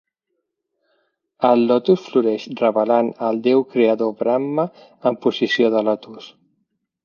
El lotus floreix revelant al déu creador Brahma en posició de lotus.